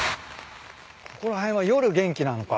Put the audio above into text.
ここら辺は夜元気なのか。